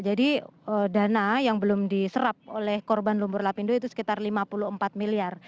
jadi dana yang belum diserap oleh korban lumpur lapindo itu sekitar lima puluh empat miliar